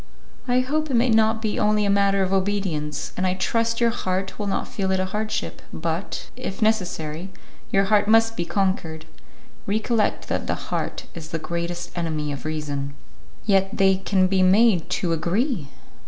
"I hope it may not be only a matter of obedience, and I trust your heart will not feel it a hardship, but, if necessary, your heart must be conquered. Recollect that the heart is the greatest enemy of reason." "Yet they can be made to agree."